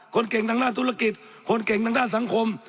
คนเก่งทางด้านธุรกิจคนเก่งทางด้านสังคม